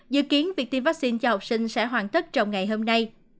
dự kiến việc tiêm vaccine cho học sinh sẽ hoàn tất trong ngày hôm nay